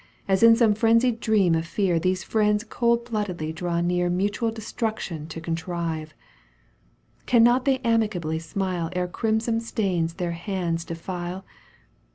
As in some frenzied dream of fear These Mends cold bloodedly draw near Mutual destruction to contrive. Cannot they amicably smile Ere crimson stains their hands defile.